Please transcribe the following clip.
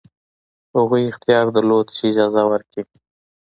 هغوی اختیار درلود چې اجازه ورکړي.